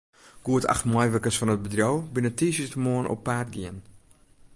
Goed acht meiwurkers fan it bedriuw binne tiisdeitemoarn op paad gien.